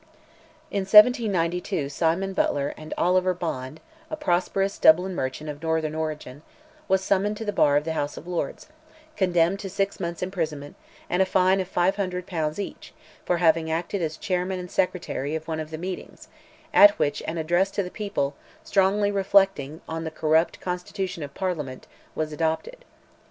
In 1792, Simon Butler, and Oliver Bond—a prosperous Dublin merchant of northern origin—was summoned to the bar of the House of Lords, condemned to six months' imprisonment, and a fine of 500 pounds each, for having acted as Chairman and Secretary of one of the meetings, at which an address to the people, strongly reflecting on the corrupt constitution of Parliament, was adopted.